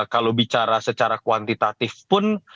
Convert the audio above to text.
kalau bicara secara kuantitatif pun